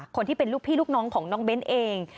คนที่เป็นลูกพี่ลูกน้องของน้องเบ้นเอง